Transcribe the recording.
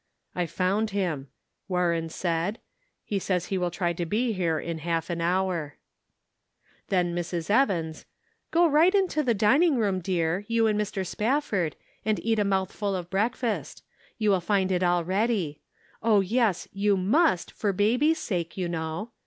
" I found him," Warren said ;" he says he will try to be here in half an hour." Then Mrs. Evans ;" Go right into the dining room, dear, you and Mr. Spafford, and eat a mouthful of breakfast ; you will find it all ready. Oh, yes, you must, for baby's sake, you know.